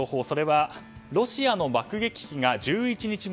それはロシアの爆撃機が１１日